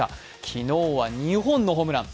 昨日は２本のホームラン。